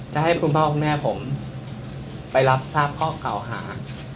ให้คุณพ่อคุณแม่ผมไปรับทราบข้อเก่าหา